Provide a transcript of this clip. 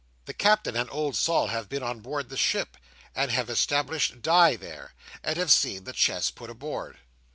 The Captain and old Sol have been on board the ship, and have established Di there, and have seen the chests put aboard.